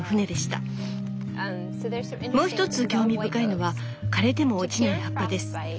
もう一つ興味深いのは枯れても落ちない葉っぱです。